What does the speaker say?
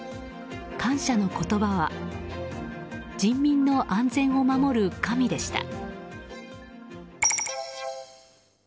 感謝の言葉は人民の安全を守る神でした。